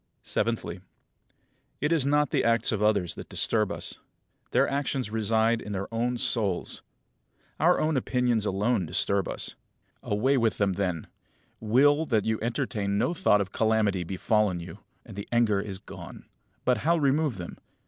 Seventhly: It is not the acts of others that disturb us. Their actions reside in their own souls. Our own opinions alone disturb us. Away with them then; will that you entertain no thought of calamity befallen you, and the anger is gone. But how remove them?